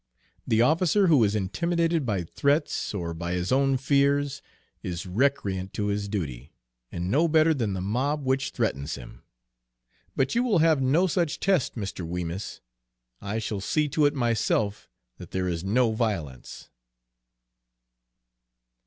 The officer who is intimidated by threats, or by his own fears, is recreant to his duty, and no better than the mob which threatens him. But you will have no such test, Mr. Wemyss! I shall see to it myself that there is no violence!"